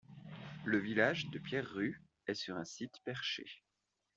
Le village de Pierrerue est sur un site perché.